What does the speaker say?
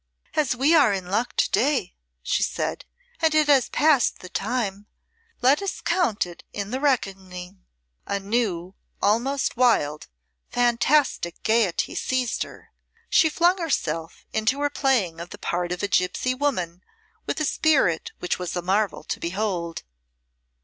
"As we are in luck to day," she said, "and it has passed the time, let us count it in the reckoning." A new, almost wild, fantastic gayety seized her. She flung herself into her playing of the part of a gipsy woman with a spirit which was a marvel to behold.